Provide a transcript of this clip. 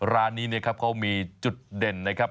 ร้านนี้เขามีจุดเด่นนะครับ